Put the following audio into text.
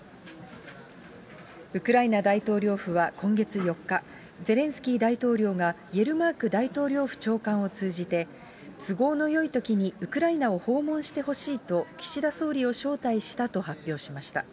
ウクライナ大統領府は今月４日、ゼレンスキー大統領がイェルマーク大統領府長官を通じて、都合のよいときにウクライナを訪問してほしいと岸田総理を招待したと発表しました。